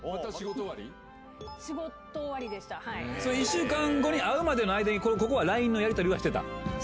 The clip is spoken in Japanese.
１週間後に会うまでの間に、ここはＬＩＮＥのやり取りはしてた？